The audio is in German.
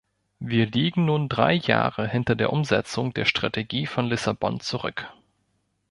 Wir liegen nun drei Jahre hinter der Umsetzung der Strategie von Lissabon zurück.